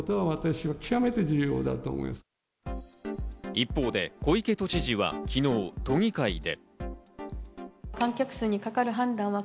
一方で小池知事は昨日、都議会で。